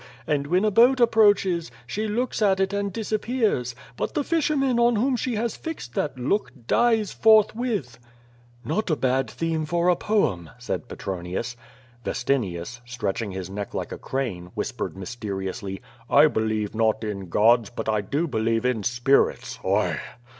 And when a boat approaches, she looks at it and disappears; but the fishermen on whom she has fixed that look dies forth with." *^ot a bad theme for a poem," said Petronius. Vestinius, stretching his neck like a crane, whispered mys teriously: "I believe not in gods, but I do believe in spirits.